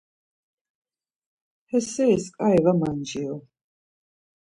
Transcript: He seris ǩai var manciru.